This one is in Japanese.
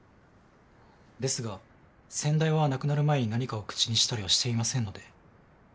ですが先代は亡くなる前に何かを口にしたりはしていませんので。